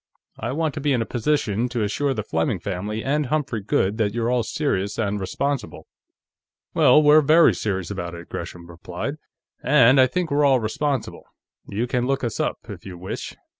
I want to be in a position to assure the Fleming family and Humphrey Goode that you're all serious and responsible." "Well, we're very serious about it," Gresham replied, "and I think we're all responsible. You can look us up, if you wish.